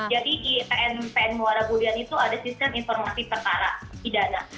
jadi di pn muara gulian itu ada sistem informasi perkara pidana